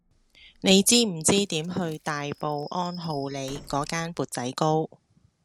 你知唔知點去大埔安浩里嗰間缽仔糕